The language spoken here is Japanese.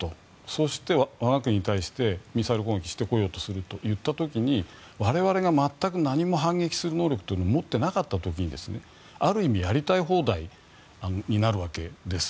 そして、我が国に対してミサイル攻撃をしてこようとするとなった時に我々が全く何も反撃する能力を持っていなかった時にある意味やりたい放題になるわけです。